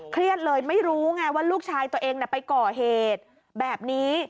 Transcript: เครียดเลยไม่รู้ไงว่าลูกชายตัวเองไปก่อเหตุแบบนี้